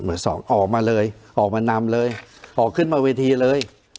สองออกมาเลยออกมานำเลยออกขึ้นมาเวทีเลย